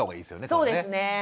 そうですね。